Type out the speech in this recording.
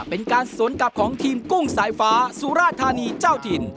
เป็นการสวนกลับของทีมกุ้งสายฟ้าสุราธานีเจ้าถิ่น